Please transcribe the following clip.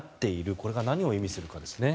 これが何を意味するかですね。